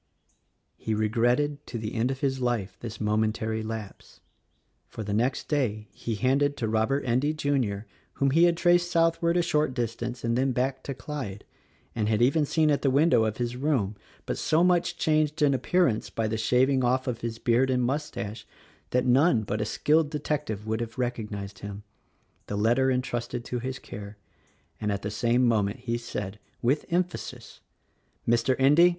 He regretted to the end of his life this momentary lapse; for the next day he handed to Robert Endy, Jr. — whom he had traced southward a short distance and then back to Clyde, and had even seen at the window of his room (but so much changed in appearance by the shaving off of his beard and mustache that none but a skilled detec tive would have recognized him) — the letter entrusted to his care, and at the same moment he said — with emphasis — "Mr. Endy!